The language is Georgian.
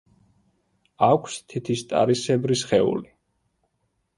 აქვს თითისტარისებრი სხეული.